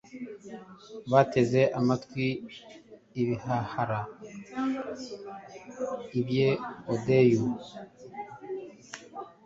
bateze amatwi ibihahara, uibye Odyeu,